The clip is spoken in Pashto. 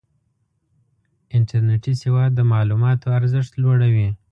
انټرنېټي سواد د معلوماتو ارزښت لوړوي.